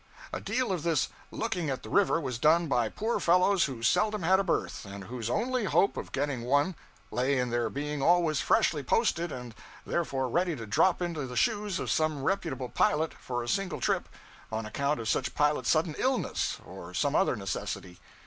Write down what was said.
A deal of this 'looking at the river' was done by poor fellows who seldom had a berth, and whose only hope of getting one lay in their being always freshly posted and therefore ready to drop into the shoes of some reputable pilot, for a single trip, on account of such pilot's sudden illness, or some other necessity.